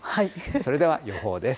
それでは予報です。